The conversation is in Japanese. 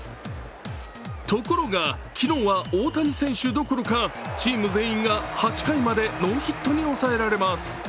ところが昨日は大谷選手どころか、チーム全員が８回までノーヒットに抑えられます。